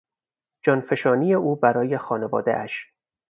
جانفشانی او برای خانوادهاش